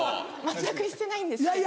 ⁉全くしてないんですけど。